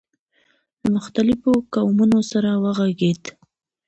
له مختلفو قومونو سره وغږېد.